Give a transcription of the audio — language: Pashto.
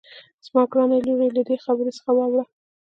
زما ګرانې لورې له دې خبرې څخه واوړه.